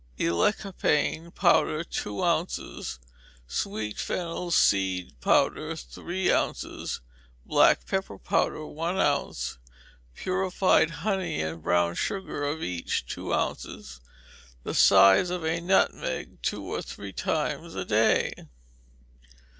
Elecampane powder, two ounces; sweet fennel seed powder, three ounces; black pepper powder, one ounce; purified honey, and brown sugar, of each two ounces; the size of a nutmeg, two or three times a day.